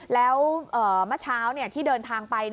แล้วเมื่อเช้าที่เดินทางไป